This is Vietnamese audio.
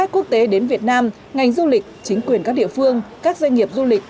khách quốc tế đến việt nam ngành du lịch chính quyền các địa phương các doanh nghiệp du lịch